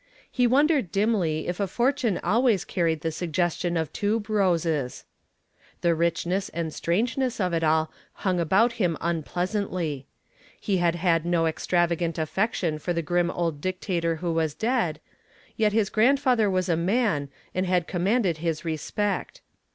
He wondered dimly if a fortune always carried the suggestion of tube roses. The richness and strangeness of it all hung about him unpleasantly. He had had no extravagant affection for the grim old dictator who was dead, yet his grandfather was a man and had commanded his respect.